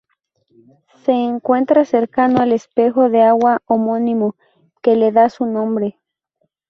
Se encuentra cercano al espejo de agua homónimo, que le da su nombre.